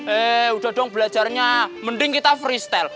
eh udah dong belajarnya mending kita freestyle